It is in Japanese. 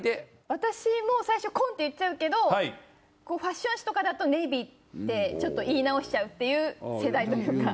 私も最初紺って言っちゃうけどファッション誌とかだとネイビーってちょっと言い直しちゃうっていう世代というか。